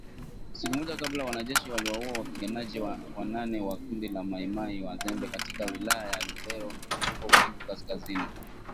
Siku moja kabla wanajeshi waliwaua wapiganaji wanane wa kundi la Mai Mai Mazembe katika wilaya ya Lubero huko Kivu Kaskazini